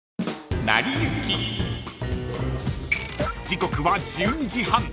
［時刻は１２時半］